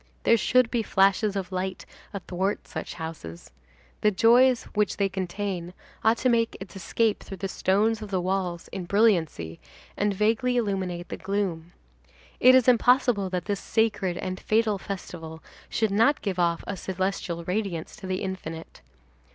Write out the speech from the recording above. There should be flashes of light athwart such houses. The joy which they contain ought to make its escape through the stones of the walls in brilliancy, and vaguely illuminate the gloom. It is impossible that this sacred and fatal festival should not give off a celestial radiance to the infinite.